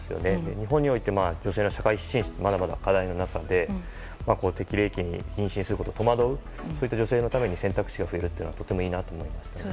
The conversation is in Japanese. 日本において女性の社会進出がまだまだ課題な中で適齢期に妊娠することを戸惑うといった女性のために選択肢が増えるのはとてもいいなと思います。